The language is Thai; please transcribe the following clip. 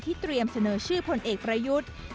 เตรียมเสนอชื่อพลเอกประยุทธ์